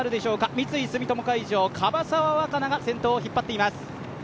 三井住友海上、樺沢和佳奈が先頭を引っ張っています。